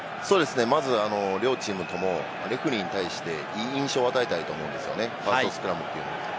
まず両チームともレフェリーに対して、いい印象を与えたいと思うんですね、ファーストスクラムというのは。